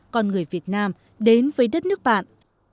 con người việt nam đến với đất nước bạn